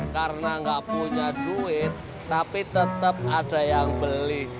karena nggak punya duit tapi tetep ada yang beli